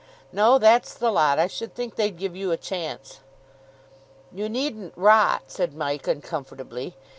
No, that's the lot. I should think they'd give you a chance." "You needn't rot," said Mike uncomfortably.